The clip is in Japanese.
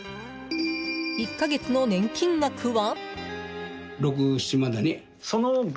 １か月の年金額は？